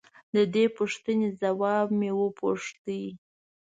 د دې پوښتنې ځواب مې وپوښت.